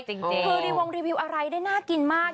คือรีวงรีวิวอะไรได้น่ากินมาก